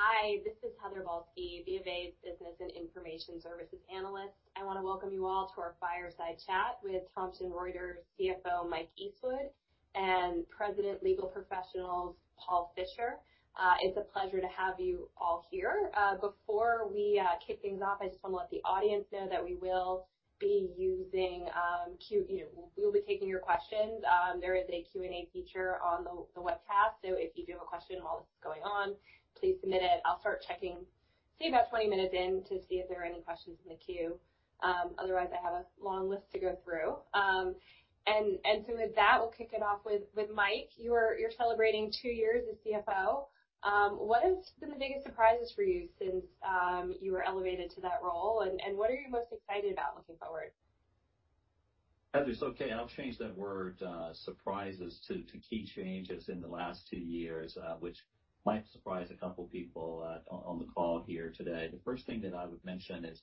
Hi, this is Heather Balsky, B of A Business and Information Services Analyst. I want to welcome you all to our fireside chat with Thomson Reuters CFO Mike Eastwood and President Legal Professionals Paul Fischer. It's a pleasure to have you all here. Before we kick things off, I just want to let the audience know that we will be taking your questions. There is a Q&A feature on the webcast, so if you do have a question while this is going on, please submit it. I'll start checking say about 20 minutes in to see if there are any questions in the queue. Otherwise, I have a long list to go through. And so with that, we'll kick it off with Mike. You're celebrating two years as CFO. What have been the biggest surprises for you since you were elevated to that role, and what are you most excited about looking forward? Heather, it's okay. I'll change that word, surprises, to key changes in the last two years, which might surprise a couple of people on the call here today. The first thing that I would mention is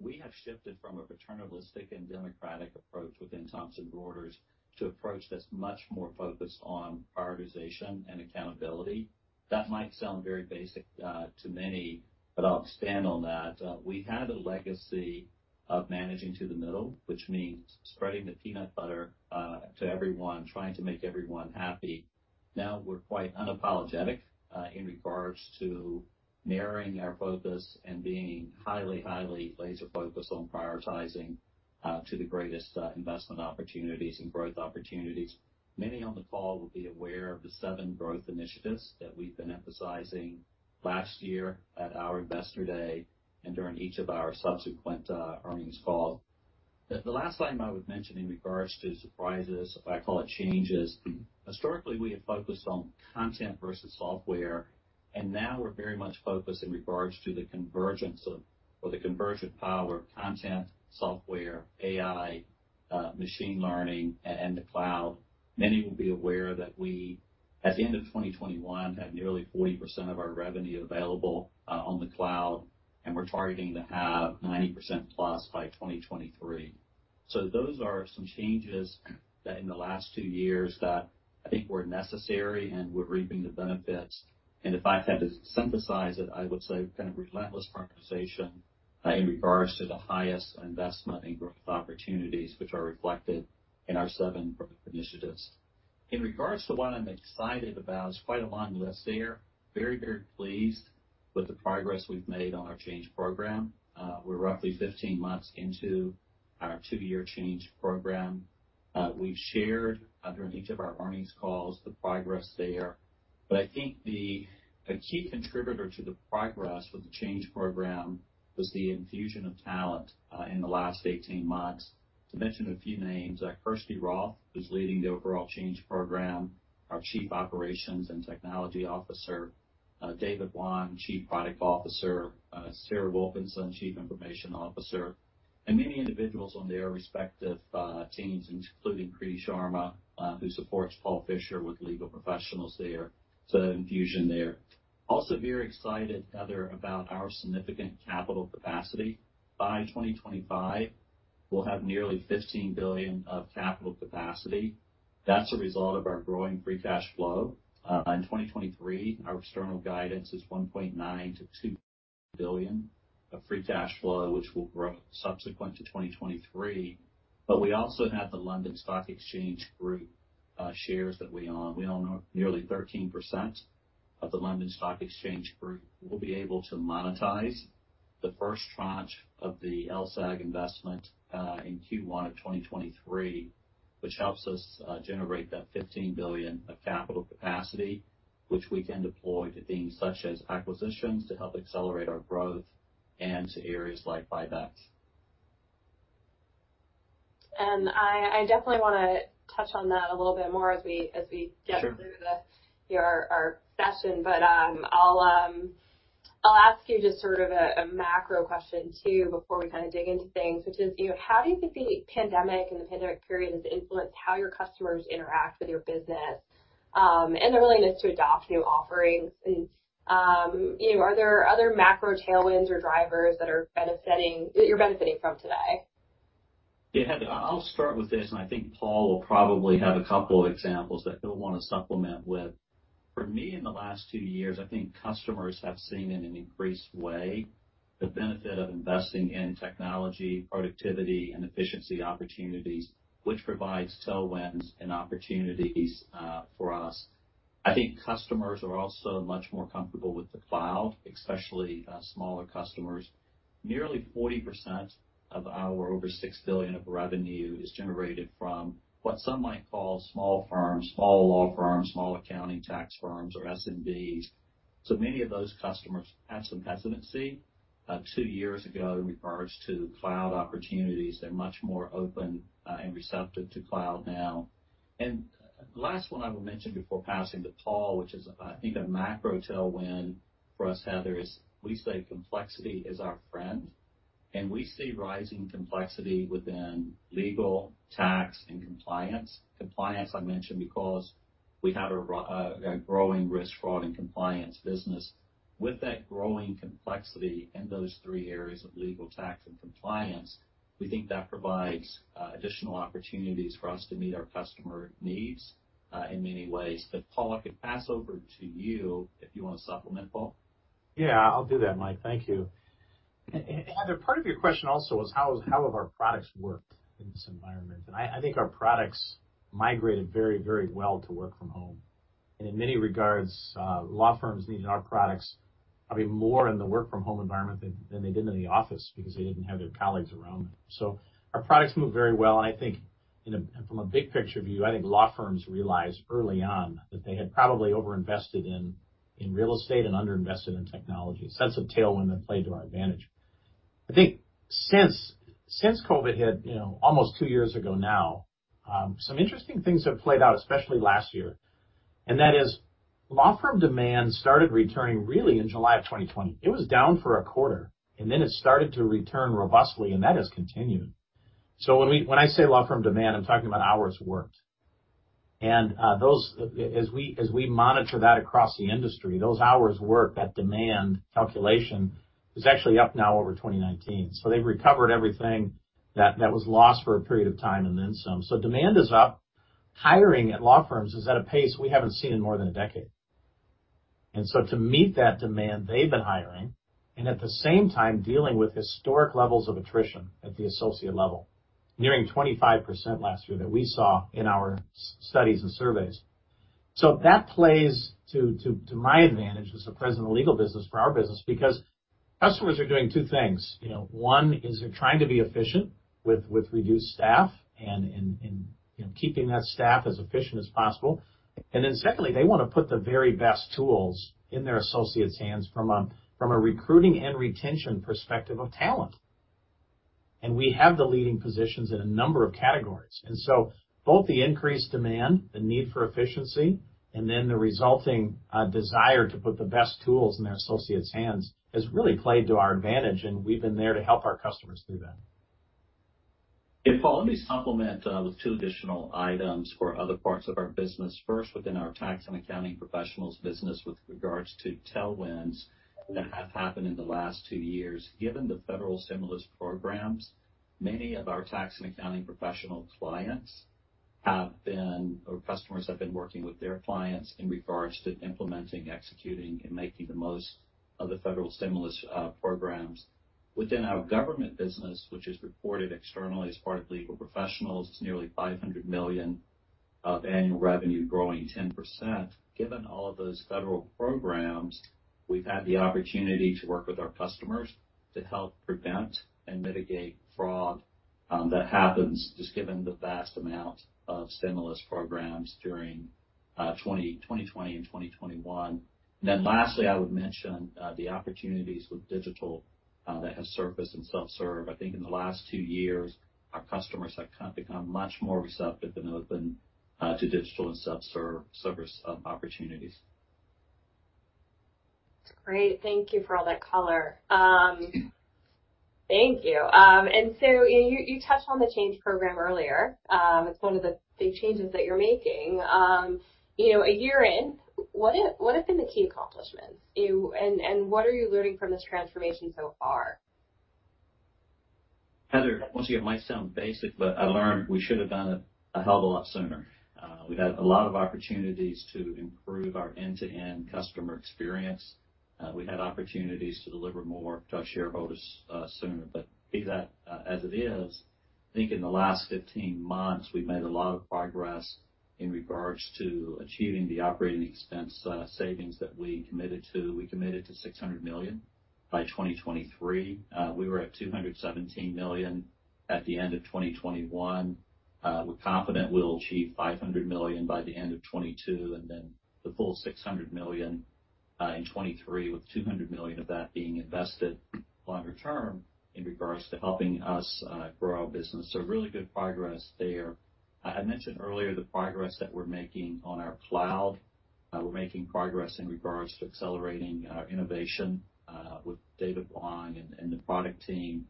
we have shifted from a paternalistic and democratic approach within Thomson Reuters to an approach that's much more focused on prioritization and accountability. That might sound very basic to many, but I'll expand on that. We had a legacy of managing to the middle, which means spreading the peanut butter to everyone, trying to make everyone happy. Now we're quite unapologetic in regards to narrowing our focus and being highly, highly laser-focused on prioritizing to the greatest investment opportunities and growth opportunities. Many on the call will be aware of the seven growth initiatives that we've been emphasizing last year at our Investor Day and during each of our subsequent earnings calls. The last item I would mention in regards to surprises, I call it changes. Historically, we have focused on content versus software, and now we're very much focused in regards to the convergence of, or the convergent power of content, software, AI, machine learning, and the cloud. Many will be aware that we, at the end of 2021, had nearly 40% of our revenue available on the cloud, and we're targeting to have 90%+ by 2023, so those are some changes in the last two years that I think were necessary and were reaping the benefits, and if I had to synthesize it, I would say kind of relentless prioritization in regards to the highest investment and growth opportunities, which are reflected in our seven growth initiatives. In regards to what I'm excited about, it's quite a long list here. Very, very pleased with the progress we've made on our change program. We're roughly 15 months into our two-year change program. We've shared during each of our earnings calls the progress there. But I think the key contributor to the progress with the change program was the infusion of talent in the last 18 months. To mention a few names, Kirsty Roth, who's leading the overall change program, our Chief Operations and Technology Officer, David Wong, Chief Product Officer, Sarah Wilkinson, Chief Information Officer, and many individuals on their respective teams, including Kriti Sharma, who supports Paul Fischer with legal professionals there. So infusion there. Also, very excited, Heather, about our significant capital capacity. By 2025, we'll have nearly $15 billion of capital capacity. That's a result of our growing free cash flow. In 2023, our external guidance is $1.9 billion-$2 billion of free cash flow, which will grow subsequent to 2023, but we also have the London Stock Exchange Group shares that we own. We own nearly 13% of the London Stock Exchange Group. We'll be able to monetize the first tranche of the LSEG investment in Q1 of 2023, which helps us generate that $15 billion of capital capacity, which we can deploy to things such as acquisitions to help accelerate our growth and to areas like buybacks. I definitely want to touch on that a little bit more as we get through our session. But I'll ask you just sort of a macro question too before we kind of dig into things, which is, how do you think the pandemic and the pandemic period has influenced how your customers interact with your business and their willingness to adopt new offerings? Are there other macro tailwinds or drivers that you're benefiting from today? Yeah, Heather, I'll start with this, and I think Paul will probably have a couple of examples that he'll want to supplement with. For me, in the last two years, I think customers have seen in an increased way the benefit of investing in technology, productivity, and efficiency opportunities, which provides tailwinds and opportunities for us. I think customers are also much more comfortable with the cloud, especially smaller customers. Nearly 40% of our over $6 billion of revenue is generated from what some might call small firms, small law firms, small accounting tax firms, or SMBs. So many of those customers had some hesitancy two years ago in regards to cloud opportunities. They're much more open and receptive to cloud now. And the last one I will mention before passing to Paul, which is, I think, a macro tailwind for us, Heather, is we say complexity is our friend. And we see rising complexity within legal, tax, and compliance. Compliance, I mentioned because we have a growing Risk, Fraud, and Compliance business. With that growing complexity in those three areas of legal, tax, and compliance, we think that provides additional opportunities for us to meet our customer needs in many ways. But Paul, I could pass over to you if you want to supplement, Paul. Yeah, I'll do that, Mike. Thank you. Heather, part of your question also was how have our products worked in this environment? And I think our products migrated very, very well to work from home. And in many regards, law firms needed our products probably more in the work-from-home environment than they did in the office because they didn't have their colleagues around them. So our products moved very well. And I think from a big picture view, I think law firms realized early on that they had probably overinvested in real estate and underinvested in technology. Sense of tailwind that played to our advantage. I think since COVID hit, almost two years ago now, some interesting things have played out, especially last year. And that is law firm demand started returning really in July of 2020. It was down for a quarter, and then it started to return robustly, and that has continued, so when I say law firm demand, I'm talking about hours worked, and as we monitor that across the industry, those hours worked, that demand calculation is actually up now over 2019, so they've recovered everything that was lost for a period of time and then some, so demand is up. Hiring at law firms is at a pace we haven't seen in more than a decade, and so to meet that demand, they've been hiring, and at the same time, dealing with historic levels of attrition at the associate level, nearing 25% last year that we saw in our studies and surveys, so that plays to my advantage as the president of the legal business for our business because customers are doing two things. One is they're trying to be efficient with reduced staff and keeping that staff as efficient as possible. And then secondly, they want to put the very best tools in their associates' hands from a recruiting and retention perspective of talent. And we have the leading positions in a number of categories. And so both the increased demand, the need for efficiency, and then the resulting desire to put the best tools in their associates' hands has really played to our advantage, and we've been there to help our customers through that. I'll only supplement with two additional items for other parts of our business. First, within our tax and accounting professionals' business with regards to tailwinds that have happened in the last two years, given the federal stimulus programs, many of our tax and accounting professional clients have been, or customers have been working with their clients in regards to implementing, executing, and making the most of the federal stimulus programs. Within our government business, which is reported externally as part of legal professionals, it's nearly $500 million of annual revenue growing 10%. Given all of those federal programs, we've had the opportunity to work with our customers to help prevent and mitigate fraud that happens just given the vast amount of stimulus programs during 2020 and 2021. Then lastly, I would mention the opportunities with digital that have surfaced and self-serve. I think in the last two years, our customers have become much more receptive than they would have been to digital and self-service opportunities. That's great. Thank you for all that color. Thank you. And so you touched on the change program earlier. It's one of the big changes that you're making. A year in, what have been the key accomplishments, and what are you learning from this transformation so far? Heather, once again, it might sound basic, but I learned we should have done it a hell of a lot sooner. We've had a lot of opportunities to improve our end-to-end customer experience. We had opportunities to deliver more to our shareholders sooner. But be that as it is, I think in the last 15 months, we've made a lot of progress in regards to achieving the operating expense savings that we committed to. We committed to $600 million by 2023. We were at $217 million at the end of 2021. We're confident we'll achieve $500 million by the end of 2022 and then the full $600 million in 2023, with $200 million of that being invested longer term in regards to helping us grow our business. So really good progress there. I mentioned earlier the progress that we're making on our cloud. We're making progress in regards to accelerating our innovation with David Wong and the product team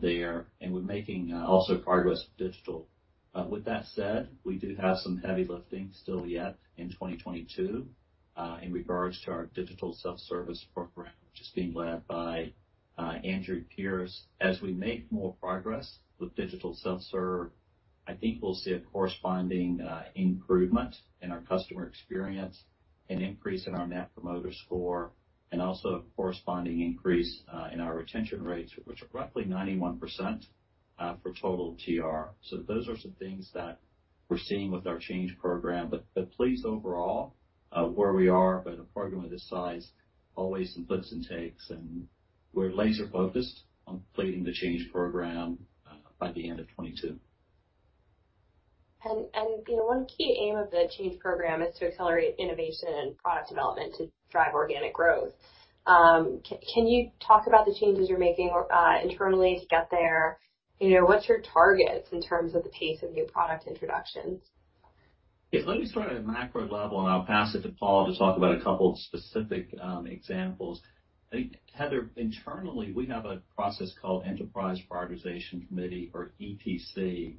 there. And we're making also progress with digital. With that said, we do have some heavy lifting still yet in 2022 in regards to our digital self-service program, which is being led by Andrew Pearce. As we make more progress with digital self-serve, I think we'll see a corresponding improvement in our customer experience, an increase in our Net Promoter Score, and also a corresponding increase in our retention rates, which are roughly 91% for total TR. So those are some things that we're seeing with our change program. But please, overall, where we are, but a program of this size, always some flips and takes. And we're laser-focused on completing the change program by the end of 2022. One key aim of the change program is to accelerate innovation and product development to drive organic growth. Can you talk about the changes you're making internally to get there? What's your targets in terms of the pace of new product introductions? Yeah, let me start at a macro level, and I'll pass it to Paul to talk about a couple of specific examples. I think, Heather, internally, we have a process called Enterprise Prioritization Committee, or EPC.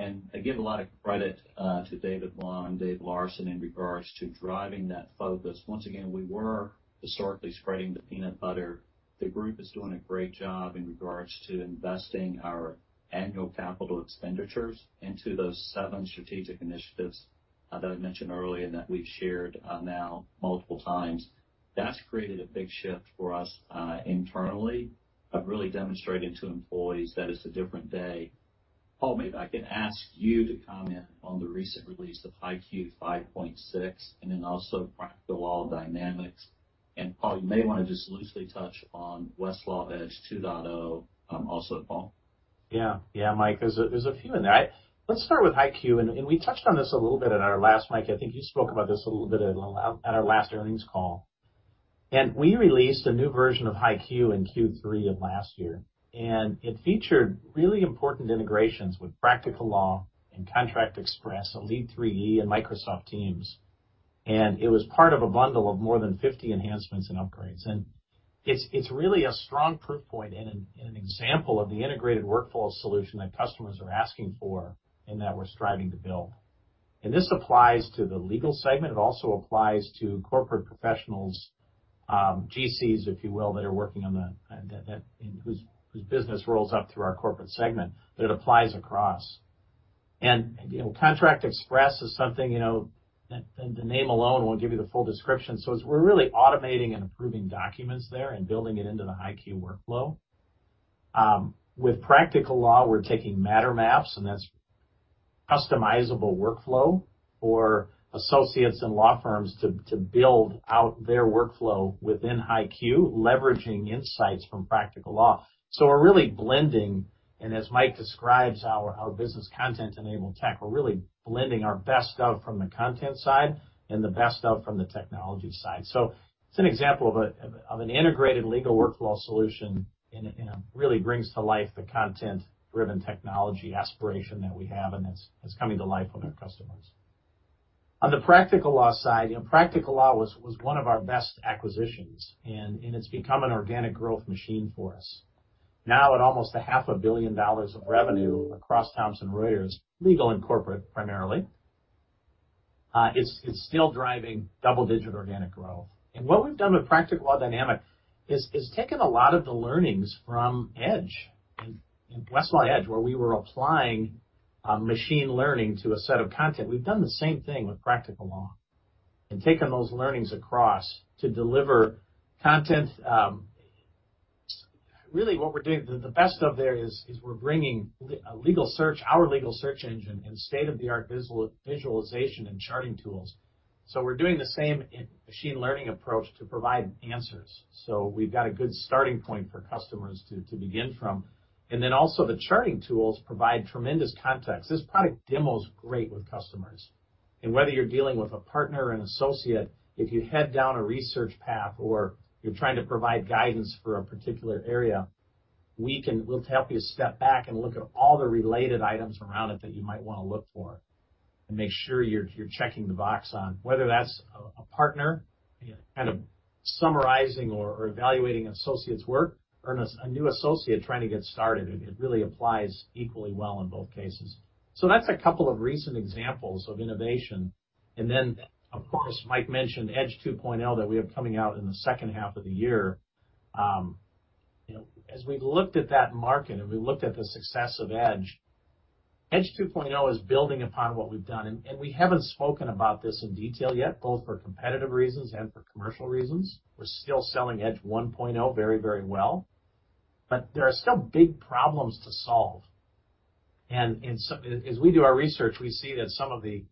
And I give a lot of credit to David Wong, Dave Larson, in regards to driving that focus. Once again, we were historically spreading the peanut butter. The group is doing a great job in regards to investing our annual capital expenditures into those seven strategic initiatives that I mentioned earlier that we've shared now multiple times. That's created a big shift for us internally, really demonstrating to employees that it's a different day. Paul, maybe I can ask you to comment on the recent release of HighQ 5.6 and then also Practical Law Dynamic. And Paul, you may want to just loosely touch on Westlaw Edge 2.0 also, Paul. Yeah, yeah, Mike. There's a few in there. Let's start with HighQ. And we touched on this a little bit at our last, Mike. I think you spoke about this a little bit at our last earnings call. And we released a new version of HighQ in Q3 of last year. And it featured really important integrations with Practical Law and Contract Express, Elite 3E, and Microsoft Teams. And it was part of a bundle of more than 50 enhancements and upgrades. And it's really a strong proof point and an example of the integrated workflow solution that customers are asking for and that we're striving to build. And this applies to the legal segment. It also applies to corporate professionals, GCs, if you will, that are working on that, whose business rolls up through our corporate segment. But it applies across. Contract Express is something that the name alone won't give you the full description. We're really automating and improving documents there and building it into the HighQ workflow. With Practical Law, we're taking Matter Maps, and that's customizable workflow for associates and law firms to build out their workflow within HighQ, leveraging insights from Practical Law. We're really blending, and as Mike describes our business content-enabled tech, we're really blending our best stuff from the content side and the best stuff from the technology side. It's an example of an integrated legal workflow solution and really brings to life the content-driven technology aspiration that we have, and it's coming to life with our customers. On the Practical Law side, Practical Law was one of our best acquisitions, and it's become an organic growth machine for us. Now, at almost $500 billion of revenue across Thomson Reuters, legal and corporate primarily, it's still driving double-digit organic growth. And what we've done with Practical Law Dynamic is taken a lot of the learnings from Edge and Westlaw Edge, where we were applying machine learning to a set of content. We've done the same thing with Practical Law and taken those learnings across to deliver content. Really, what we're doing, the best of there is we're bringing our legal search engine and state-of-the-art visualization and charting tools. So we're doing the same machine learning approach to provide answers. So we've got a good starting point for customers to begin from. And then also, the charting tools provide tremendous context. This product demo is great with customers. And whether you're dealing with a partner or an associate, if you head down a research path or you're trying to provide guidance for a particular area, we'll help you step back and look at all the related items around it that you might want to look for and make sure you're checking the box on. Whether that's a partner, kind of summarizing or evaluating an associate's work, or a new associate trying to get started, it really applies equally well in both cases. So that's a couple of recent examples of innovation. And then, of course, Mike mentioned Edge 2.0 that we have coming out in the second half of the year. As we've looked at that market and we've looked at the success of Edge, Edge 2.0 is building upon what we've done. We haven't spoken about this in detail yet, both for competitive reasons and for commercial reasons. We're still selling Edge 1.0 very, very well. There are still big problems to solve. As we do our research, we see that some of the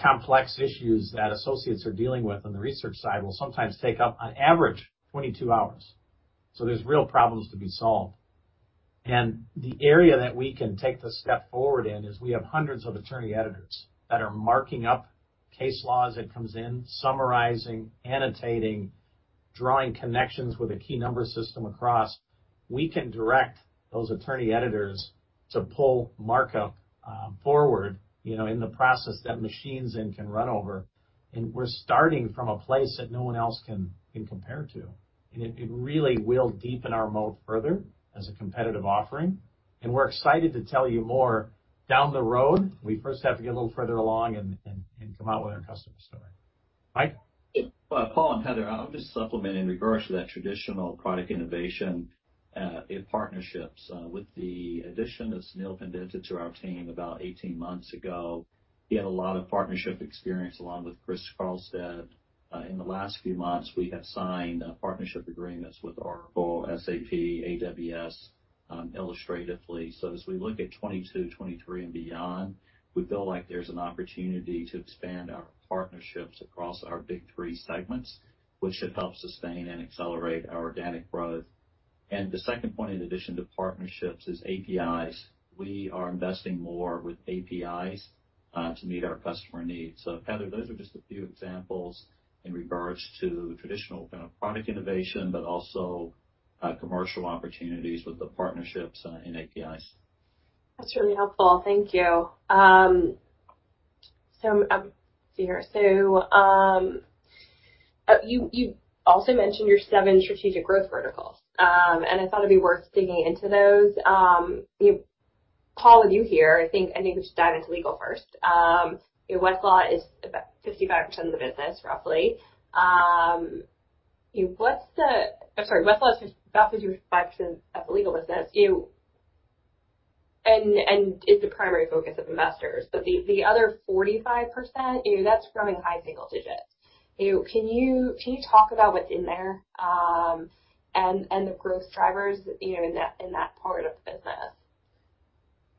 complex issues that associates are dealing with on the research side will sometimes take up, on average, 22 hours. There's real problems to be solved. The area that we can take the step forward in is we have hundreds of attorney editors that are marking up case laws that come in, summarizing, annotating, drawing connections with a key number system across. We can direct those attorney editors to pull markup forward in the process that machines can run over. We're starting from a place that no one else can compare to. And it really will deepen our moat further as a competitive offering. And we're excited to tell you more down the road. We first have to get a little further along and come out with our customer story. Mike. Paul and Heather, I'll just supplement in regards to that traditional product innovation in partnerships. With the addition of Sunil Pandita to our team about 18 months ago, he had a lot of partnership experience along with Chris Carlstead. In the last few months, we have signed partnership agreements with Oracle, SAP, AWS, illustratively. So as we look at 2022, 2023, and beyond, we feel like there's an opportunity to expand our partnerships across our big three segments, which should help sustain and accelerate our organic growth, and the second point in addition to partnerships is APIs. We are investing more with APIs to meet our customer needs, so Heather, those are just a few examples in regards to traditional kind of product innovation, but also commercial opportunities with the partnerships and APIs. That's really helpful. Thank you. So let's see here. So you also mentioned your seven strategic growth verticals. And I thought it'd be worth digging into those. Paul, with you here, I think we should dive into legal first. Westlaw is about 55% of the business, roughly. I'm sorry, Westlaw is about 55% of the legal business and is the primary focus of investors. But the other 45%, that's growing high single digits. Can you talk about what's in there and the growth drivers in that part of the business?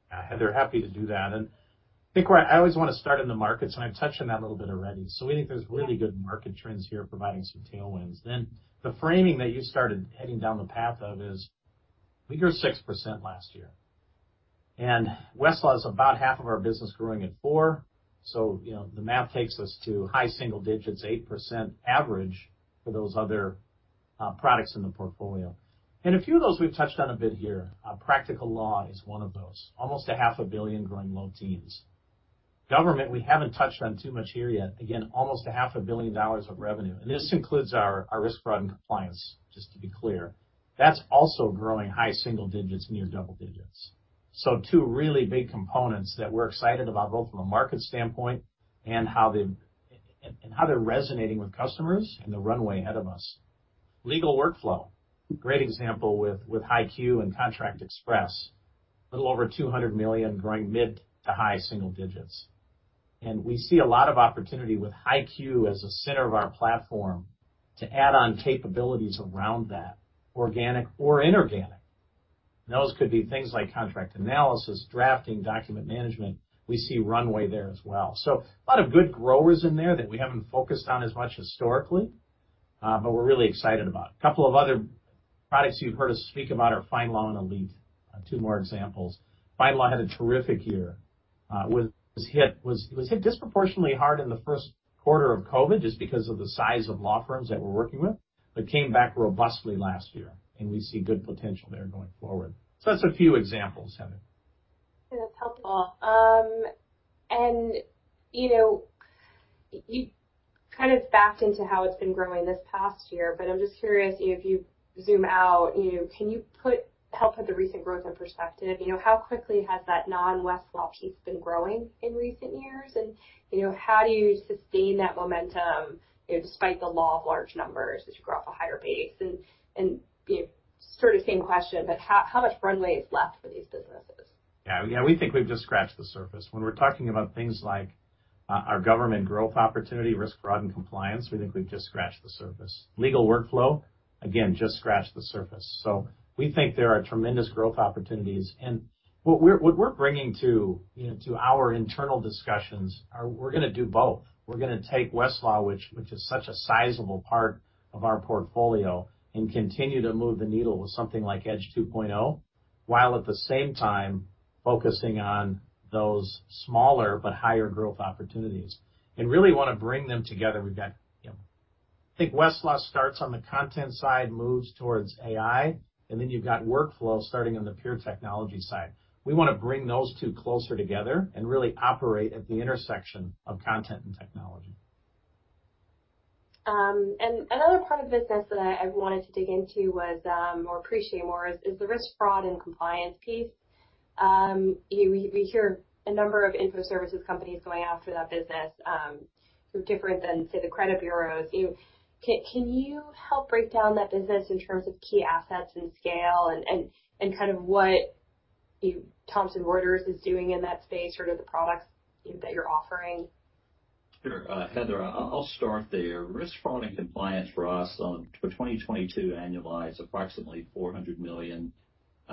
Yeah, Heather, happy to do that. And I think I always want to start in the markets, and I've touched on that a little bit already. So we think there's really good market trends here, providing some tailwinds. Then the framing that you started heading down the path of is we grew 6% last year. And Westlaw is about half of our business growing at 4%. So the math takes us to high single digits, 8% average for those other products in the portfolio. And a few of those we've touched on a bit here. Practical Law is one of those. Almost $500 billion growing low teens%. Government, we haven't touched on too much here yet. Again, almost $500 billion of revenue. And this includes our risk, fraud, and compliance, just to be clear. That's also growing high single digits%, near double digits%. So two really big components that we're excited about, both from a market standpoint and how they're resonating with customers and the runway ahead of us. Legal workflow, great example with HighQ and Contract Express, a little over $200 million growing mid- to high-single digits. And we see a lot of opportunity with HighQ as a center of our platform to add on capabilities around that, organic or inorganic. Those could be things like contract analysis, drafting, document management. We see runway there as well. So a lot of good growers in there that we haven't focused on as much historically, but we're really excited about. A couple of other products you've heard us speak about are FindLaw and Elite, two more examples. FindLaw had a terrific year. It was hit disproportionately hard in the first quarter of COVID just because of the size of law firms that we're working with, but came back robustly last year. And we see good potential there going forward. So that's a few examples, Heather. That's helpful. And you kind of backed into how it's been growing this past year, but I'm just curious if you zoom out, can you help put the recent growth in perspective? How quickly has that non-Westlaw piece been growing in recent years? And how do you sustain that momentum despite the law of large numbers as you grow off a higher base? And sort of same question, but how much runway is left for these businesses? Yeah, we think we've just scratched the surface. When we're talking about things like our government growth opportunity, Risk, Fraud, and Compliance, we think we've just scratched the surface. Legal workflow, again, just scratched the surface. So we think there are tremendous growth opportunities. And what we're bringing to our internal discussions are we're going to do both. We're going to take Westlaw, which is such a sizable part of our portfolio, and continue to move the needle with something like Edge 2.0, while at the same time focusing on those smaller but higher growth opportunities. And really want to bring them together. I think Westlaw starts on the content side, moves towards AI, and then you've got workflow starting on the pure technology side. We want to bring those two closer together and really operate at the intersection of content and technology. And another part of the business that I wanted to dig into or appreciate more is the Risk, Fraud, and Compliance piece. We hear a number of info services companies going after that business who are different than, say, the credit bureaus. Can you help break down that business in terms of key assets and scale and kind of what Thomson Reuters is doing in that space, sort of the products that you're offering? Sure. Heather, I'll start there. Risk, Fraud, and Compliance for us for 2022 annualized approximately $400 million,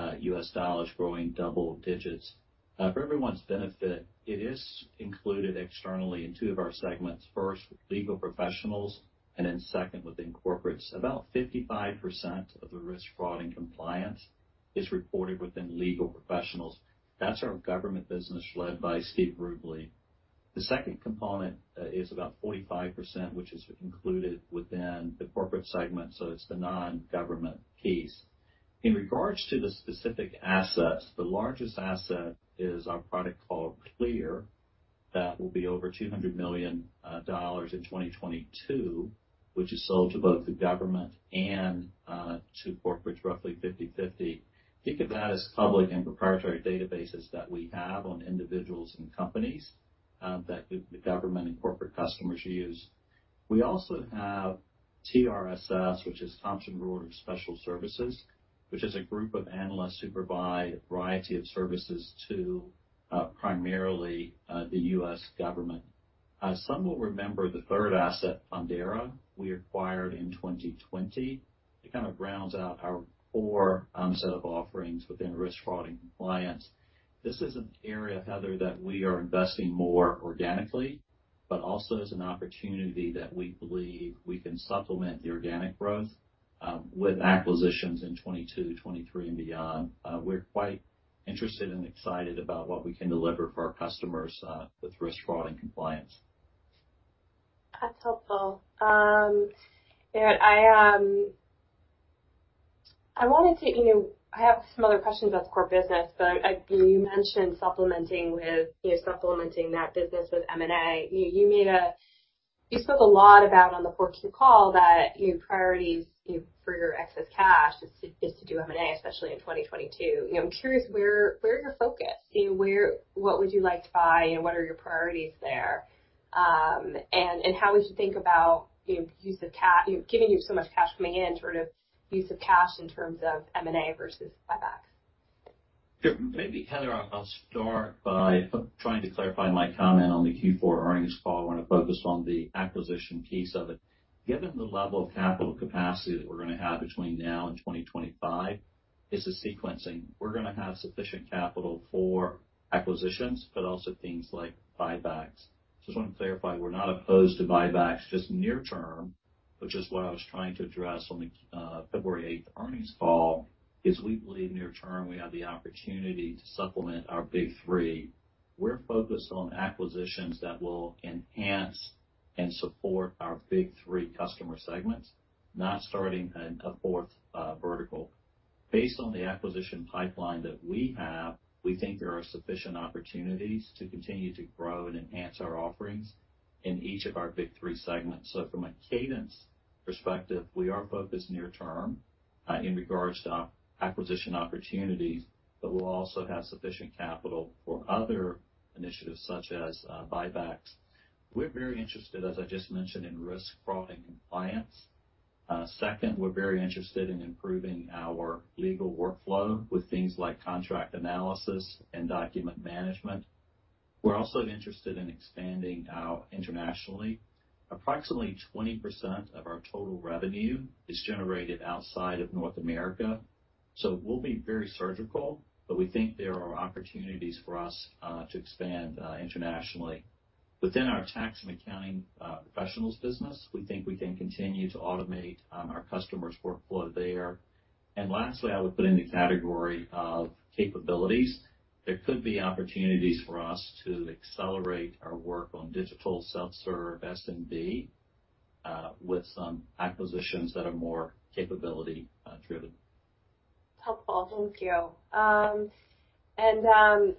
growing double digits. For everyone's benefit, it is included externally in two of our segments. First, Legal Professionals, and then second, within Corporates. About 55% of the Risk, Fraud, and Compliance is reported within Legal Professionals. That's our government business led by Steve Rubley. The second component is about 45%, which is included within the Corporates segment. So it's the non-government piece. In regards to the specific assets, the largest asset is our product called Clear that will be over $200 million in 2022, which is sold to both the government and to corporates, roughly 50/50. Think of that as public and proprietary databases that we have on individuals and companies that the government and corporate customers use. We also have TRSS, which is Thomson Reuters Special Services, which is a group of analysts who provide a variety of services to primarily the U.S. government. Some will remember the third asset, Fundera, we acquired in 2020. It kind of rounds out our core set of offerings within risk, fraud, and compliance. This is an area, Heather, that we are investing more organically, but also is an opportunity that we believe we can supplement the organic growth with acquisitions in 2022, 2023, and beyond. We're quite interested and excited about what we can deliver for our customers with risk, fraud, and compliance. That's helpful. I wanted to—I have some other questions about the core business, but you mentioned supplementing that business with M&A. You spoke a lot about on the 4Q call that priorities for your excess cash is to do M&A, especially in 2022. I'm curious where your focus is, what would you like to buy, and what are your priorities there, and how would you think about given you have so much cash coming in, sort of use of cash in terms of M&A versus buybacks? Maybe, Heather, I'll start by trying to clarify my comment on the Q4 earnings call. I want to focus on the acquisition piece of it. Given the level of capital capacity that we're going to have between now and 2025, it's a sequencing. We're going to have sufficient capital for acquisitions, but also things like buybacks. Just want to clarify, we're not opposed to buybacks just near term, which is what I was trying to address on the February 8th earnings call, because we believe near term we have the opportunity to supplement our big three. We're focused on acquisitions that will enhance and support our big three customer segments, not starting a fourth vertical. Based on the acquisition pipeline that we have, we think there are sufficient opportunities to continue to grow and enhance our offerings in each of our big three segments. So from a cadence perspective, we are focused near term in regards to acquisition opportunities, but we'll also have sufficient capital for other initiatives such as buybacks. We're very interested, as I just mentioned, in risk, fraud, and compliance. Second, we're very interested in improving our legal workflow with things like contract analysis and document management. We're also interested in expanding internationally. Approximately 20% of our total revenue is generated outside of North America. So we'll be very surgical, but we think there are opportunities for us to expand internationally. Within our tax and accounting professionals business, we think we can continue to automate our customers' workflow there. And lastly, I would put in the category of capabilities. There could be opportunities for us to accelerate our work on digital self-serve SMB with some acquisitions that are more capability-driven. Helpful. Thank you. And on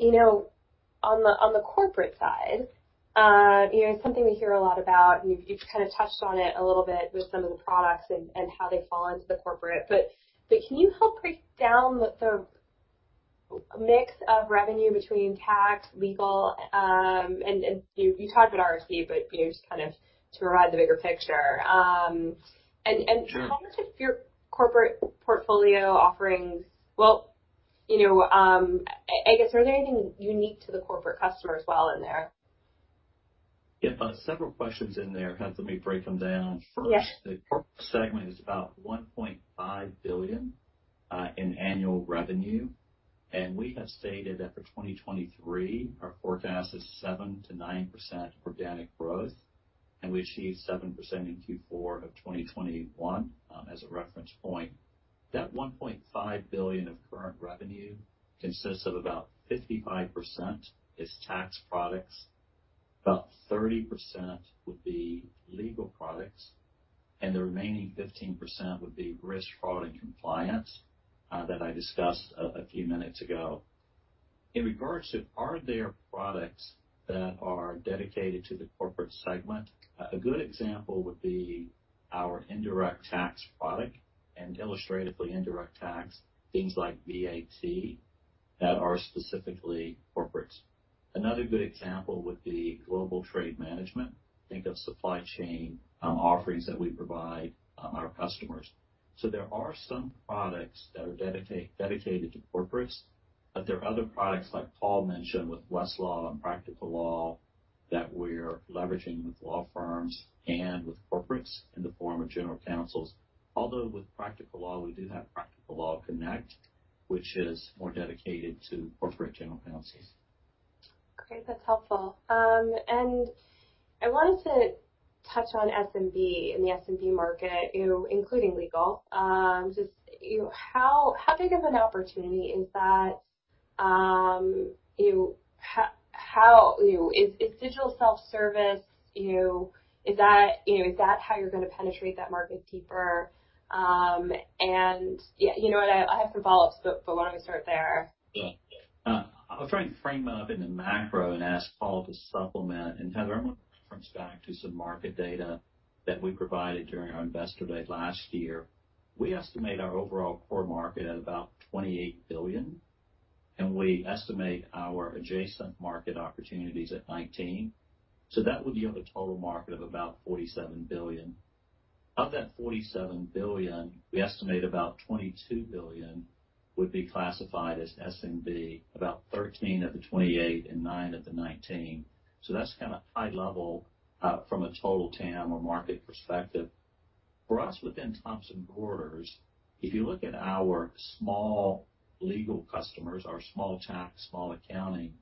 the corporate side, it's something we hear a lot about. You've kind of touched on it a little bit with some of the products and how they fall into the corporate. But can you help break down the mix of revenue between tax, legal, and you talked about RFC, but just kind of to provide the bigger picture. And how much of your corporate portfolio offerings? Well, I guess, are there anything unique to the corporate customer as well in there? Yeah, but several questions in there. Let me break them down. First, the corporate segment is about $1.5 billion in annual revenue. And we have stated that for 2023, our forecast is 7-9% organic growth. And we achieved 7% in Q4 of 2021 as a reference point. That $1.5 billion of current revenue consists of about 55% is tax products, about 30% would be legal products, and the remaining 15% would be risk, fraud, and compliance that I discussed a few minutes ago. In regards to, are there products that are dedicated to the corporate segment? A good example would be our indirect tax product, and illustratively, indirect tax, things like VAT that are specifically corporates. Another good example would be global trade management. Think of supply chain offerings that we provide our customers. There are some products that are dedicated to corporates, but there are other products like Paul mentioned with Westlaw and Practical Law that we're leveraging with law firms and with corporates in the form of general counsels. Although with Practical Law, we do have Practical Law Connect, which is more dedicated to corporate general counsels. Great. That's helpful. And I wanted to touch on SMB and the SMB market, including legal. How big of an opportunity is that? Is digital self-service, is that how you're going to penetrate that market deeper? And I have some follow-ups, but why don't we start there? Yeah. I'll try and frame it up in the macro and ask Paul to supplement. And Heather, I want to reference back to some market data that we provided during our investor day last year. We estimate our overall core market at about $28 billion, and we estimate our adjacent market opportunities at $19 billion. So that would yield a total market of about $47 billion. Of that $47 billion, we estimate about $22 billion would be classified as SMB, about $13 billion of the $28 billion and $9 billion of the $19 billion. So that's kind of high level from a total TAM or market perspective. For us within Thomson Reuters, if you look at our small legal customers, our small tax, small accounting,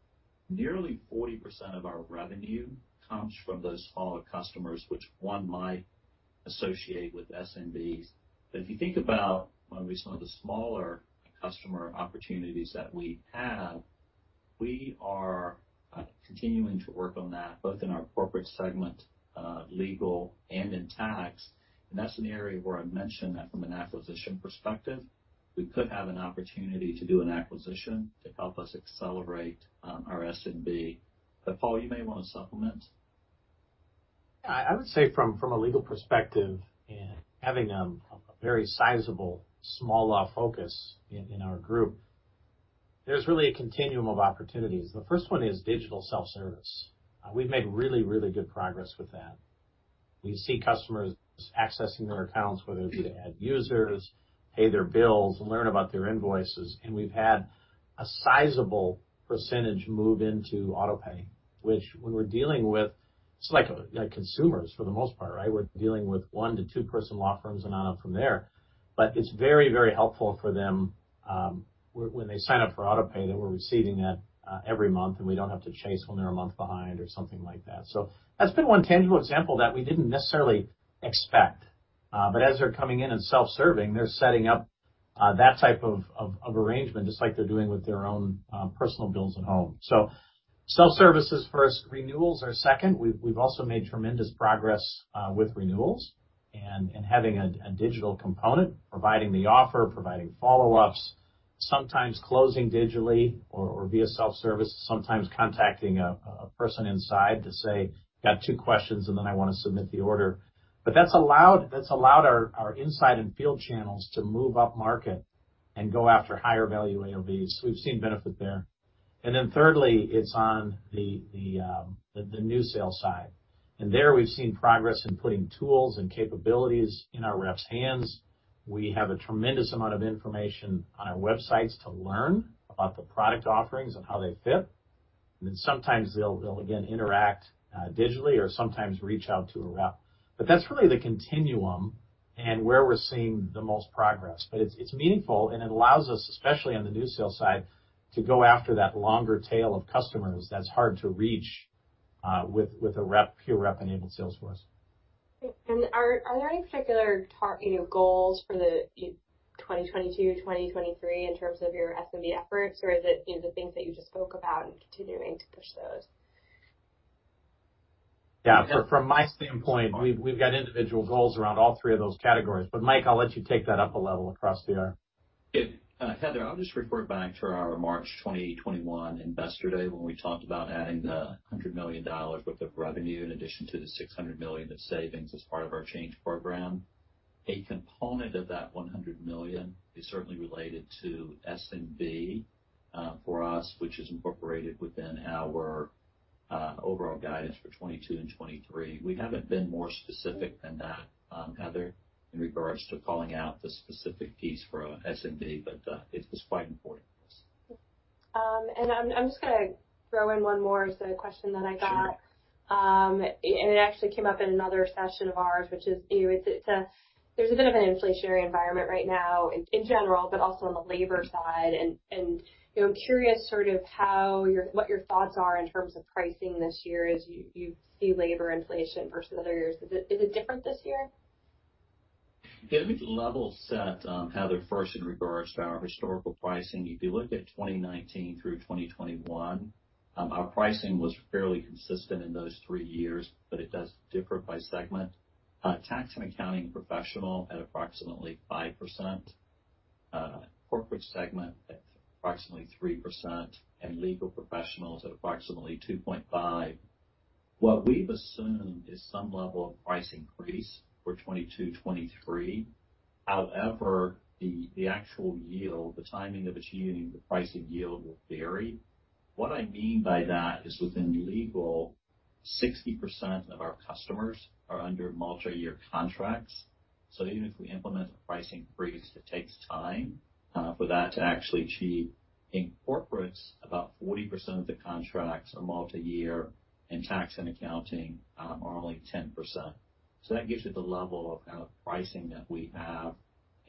nearly 40% of our revenue comes from those smaller customers, which one might associate with SMBs. But if you think about some of the smaller customer opportunities that we have, we are continuing to work on that both in our corporate segment, legal, and in tax. And that's an area where I mentioned that from an acquisition perspective, we could have an opportunity to do an acquisition to help us accelerate our SMB. But Paul, you may want to supplement. Yeah. I would say from a legal perspective, having a very sizable small law focus in our group, there's really a continuum of opportunities. The first one is digital self-service. We've made really, really good progress with that. We see customers accessing their accounts, whether it be to add users, pay their bills, and learn about their invoices. And we've had a sizable percentage move into autopay, which when we're dealing with, it's like consumers for the most part, right? We're dealing with one to two-person law firms and on up from there. But it's very, very helpful for them when they sign up for autopay that we're receiving that every month, and we don't have to chase when they're a month behind or something like that. So that's been one tangible example that we didn't necessarily expect. But as they're coming in and self-serving, they're setting up that type of arrangement just like they're doing with their own personal bills at home. So self-service is first, renewals are second. We've also made tremendous progress with renewals and having a digital component, providing the offer, providing follow-ups, sometimes closing digitally or via self-service, sometimes contacting a person inside to say, "I've got two questions, and then I want to submit the order." But that's allowed our inside and field channels to move up market and go after higher value AOVs. We've seen benefit there. And then thirdly, it's on the new sale side. And there we've seen progress in putting tools and capabilities in our reps' hands. We have a tremendous amount of information on our websites to learn about the product offerings and how they fit. And then sometimes they'll, again, interact digitally or sometimes reach out to a rep. But that's really the continuum and where we're seeing the most progress. But it's meaningful, and it allows us, especially on the new sale side, to go after that longer tail of customers that's hard to reach with a pure rep-enabled salesforce. And are there any particular goals for 2022, 2023 in terms of your SMB efforts, or is it the things that you just spoke about and continuing to push those? Yeah. From my standpoint, we've got individual goals around all three of those categories. But Mike, I'll let you take that up a level across the aisle. Heather, I'll just refer back to our March 2021 investor day when we talked about adding the $100 million worth of revenue in addition to the $600 million of savings as part of our change program. A component of that $100 million is certainly related to SMB for us, which is incorporated within our overall guidance for 2022 and 2023. We haven't been more specific than that, Heather, in regards to calling out the specific piece for SMB, but it was quite important for us. And I'm just going to throw in one more as a question that I got. And it actually came up in another session of ours, which is there's a bit of an inflationary environment right now in general, but also on the labor side. And I'm curious sort of what your thoughts are in terms of pricing this year as you see labor inflation versus other years. Is it different this year? Yeah. Let me level set, Heather, first in regards to our historical pricing. If you look at 2019 through 2021, our pricing was fairly consistent in those three years, but it does differ by segment. Tax and Accounting Professionals at approximately 5%, Corporates at approximately 3%, and Legal Professionals at approximately 2.5%. What we've assumed is some level of price increase for 2022, 2023. However, the actual yield, the timing of achieving the pricing yield will vary. What I mean by that is within legal, 60% of our customers are under multi-year contracts. So even if we implement a pricing increase, it takes time for that to actually achieve. In Corporates, about 40% of the contracts are multi-year, and Tax and Accounting are only 10%. So that gives you the level of pricing that we have.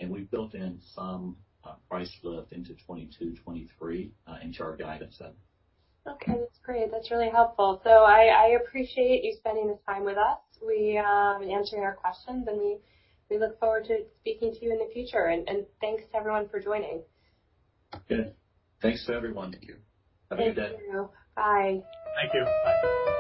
We've built in some price lift into 2022, 2023 into our guidance. Okay. That's great. That's really helpful. So I appreciate you spending this time with us and answering our questions. And we look forward to speaking to you in the future. And thanks to everyone for joining. Okay. Thanks to everyone. Have a good day. Thank you. Bye. Thank you. Bye.